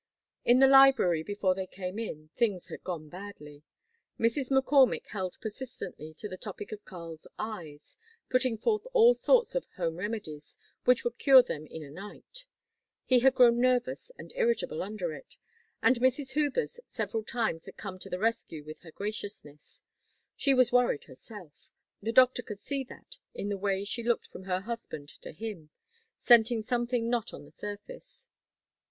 In the library before they came in, things had gone badly. Mrs. McCormick held persistently to the topic of Karl's eyes, putting forth all sorts of "home remedies" which would cure them in a night. He had grown nervous and irritable under it, and Mrs. Hubers several times had come to the rescue with her graciousness. She was worried herself; the doctor could see that in the way she looked from her husband to him, scenting something not on the surface.